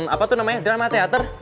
apa tuh namanya drama teater